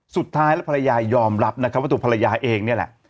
สุดท้ายแล้วภรรยายอมรับนะครับว่าตัวภรรยาเองนี่แหละ